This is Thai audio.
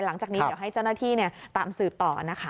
หลังจากนี้เดี๋ยวให้เจ้าหน้าที่ตามสืบต่อนะคะ